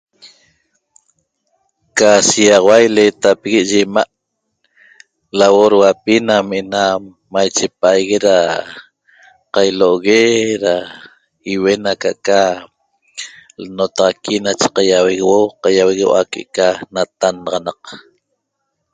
Qa shixahua iletepigue yi ima a' Laborohuapi namena maiche pa aguet da cailogue da ihuen na eqa n'notaxaqui nache qaiuehueo'o qaiuehueo'o que eca natan naxanaq